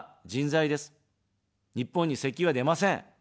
日本に石油は出ません。